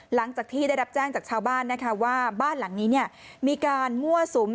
หลังจากที่ได้รับแจ้งจากชาวบ้านนะคะว่าบ้านหลังนี้มีการมั่วสุม